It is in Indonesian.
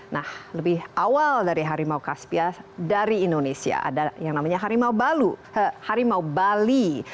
nah lebih awal dari harimau kaspia dari indonesia ada yang namanya harimau bali